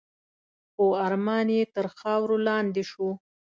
خو ارمان یې تر خاورو لاندي شو .